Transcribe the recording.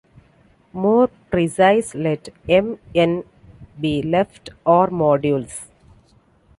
More precise, let "M", "N" be left "R"-modules.